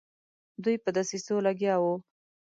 دوی په دسیسو لګیا وه.